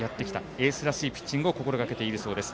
エースらしいピッチングを心がけているそうです。